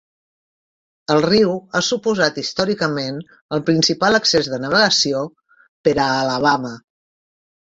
El riu ha suposat històricament el principal accés de navegació per a Alabama.